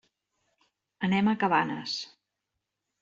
Anem a Cabanes.